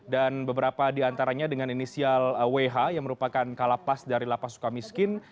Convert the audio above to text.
dan beberapa diantaranya dengan inisial wh yang merupakan kalapas dari lapas suka miskin